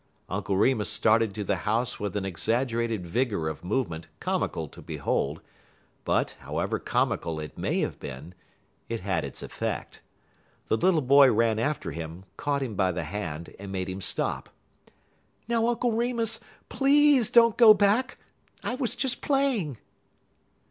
Uncle Remus started to the house with an exaggerated vigor of movement comical to behold; but, however comical it may have been, it had its effect. The little boy ran after him, caught him by the hand, and made him stop. "Now, Uncle Remus, please don't go back. I was just playing."